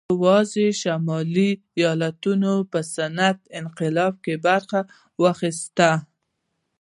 یوازې شمالي ایالتونو په صنعتي انقلاب کې برخه واخیسته